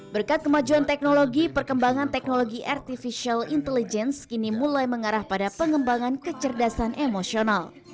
berkat kemajuan teknologi perkembangan teknologi artificial intelligence kini mulai mengarah pada pengembangan kecerdasan emosional